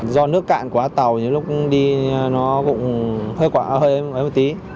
do nước cạn quá tàu thì lúc đi nó cũng hơi quá hơi